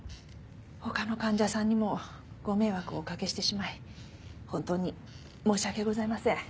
他の患者さんにもご迷惑をおかけしてしまい本当に申し訳ございません。